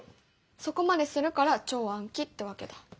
そこまでするから超暗記ってわけだ。